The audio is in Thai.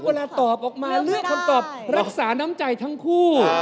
เวลาตอบออกมาเลือกคำตอบรักษาน้ำใจทั้งคู่